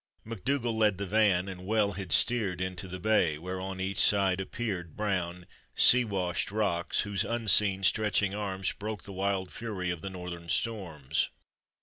MacDougall led the van, and well bad steered Into the bay, where on each side appeared Brown, sea washed rocks, whose unseen, stretching arms Broke the wild fury of the northern storms.